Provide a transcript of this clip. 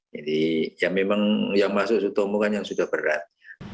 jadi yang masuk sutomo kan yang sudah berat